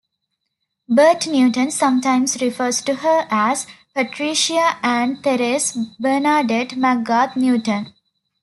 Bert Newton sometimes refers to her as "Patricia Anne Therese Bernadette McGrath Newton".